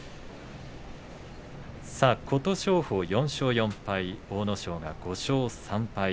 琴勝峰４勝４敗阿武咲５勝３敗